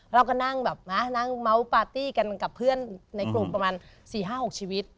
เราก็นั่งแบบนั่งเมาส์ปาร์ตี้กันกับเพื่อนในกลุ่มประมาณ๔๕๖ชีวิต